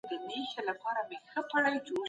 څوک په کور کي درس ورکوي؟